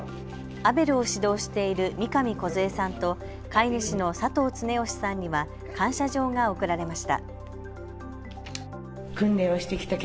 アベルを指導している三上こずえさんと飼い主の佐藤常美さんには感謝状が贈られました。